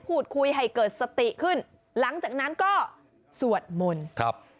พูดคุยให้เกิดสติขึ้นหลังจากนั้นก็สวดมนต์ครับ